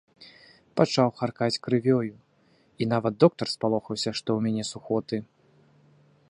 Пачаў харкаць крывёю, і нават доктар спалохаўся, што ў мяне сухоты.